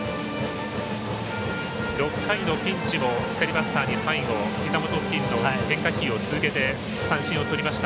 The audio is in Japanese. ６回のピンチも左バッターに最後、ひざ元付近の変化球を続けて三振をとりました。